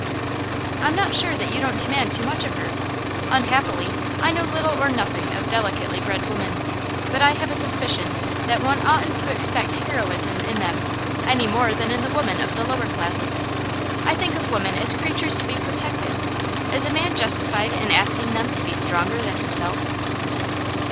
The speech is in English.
'I'm not sure that you don't demand too much of her. Unhappily, I know little or nothing of delicately bred women, but I have a suspicion that one oughtn't to expect heroism in them, any more than in the women of the lower classes. I think of women as creatures to be protected. Is a man justified in asking them to be stronger than himself?